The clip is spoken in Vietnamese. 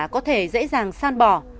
có thể dễ dàng san bỏ